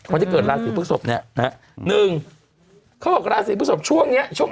วันพระใหญ่